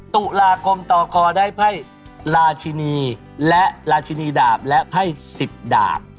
ตุลาคมต่อคอได้ไพ่ราชินีและราชินีดาบและไพ่๑๐ดาบ